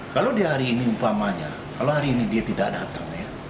kalau di hari ini umpamanya kalau hari ini dia tidak datang ya